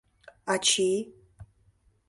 Ачий...